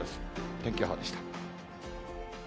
天気予報でした。